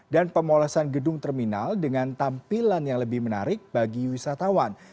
dan pemolesan gedung terminal dengan tampilan yang lebih menarik bagi wisatawan